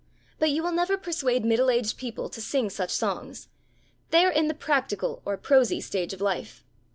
But you will never persuade middle aged people to sing such songs. They are in the practical or prosy stage of life.